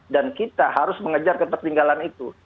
dan kita harus mengejar ketinggalan itu